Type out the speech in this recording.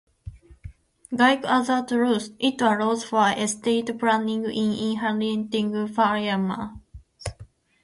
Like other trusts, it allows for estate planning in inheriting firearms.